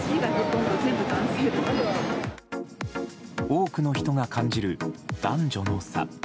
多くの人が感じる男女の差。